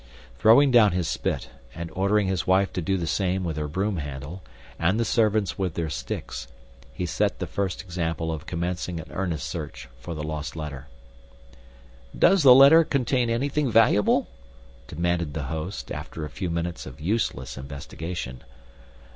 Throwing down his spit, and ordering his wife to do the same with her broom handle, and the servants with their sticks, he set the first example of commencing an earnest search for the lost letter. "Does the letter contain anything valuable?" demanded the host, after a few minutes of useless investigation.